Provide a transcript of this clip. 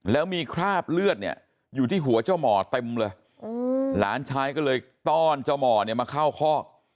แล้วมีคราบเลือดเนี่ยอยู่ที่หัวเจ้าหมอเต็มเลยหลานชายก็เลยต้อนเจ้าหมอเนี่ยมาเข้าคอก